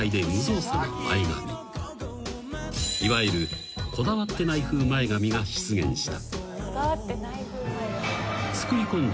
［いわゆるこだわってない風前髪が出現した］